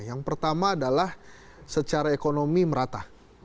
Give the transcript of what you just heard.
yang pertama adalah secara ekonomi merata